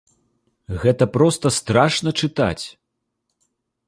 Гэта проста страшна чытаць.